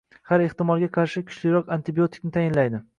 va har ehtimolga qarshi kuchliroq antibiotikni tayinlaydi.